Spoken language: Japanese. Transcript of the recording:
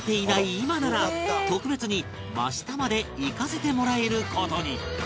今なら特別に真下まで行かせてもらえる事に